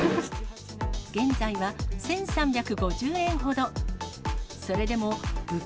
現在は１３５０円ほど。